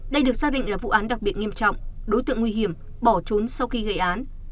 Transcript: đây được xác định là vụ án đặc biệt nghiêm trọng đối tượng nguy hiểm bỏ trốn sau khi gây án